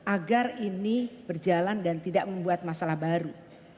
agar ini berjalan dan tidak membuat masalah baru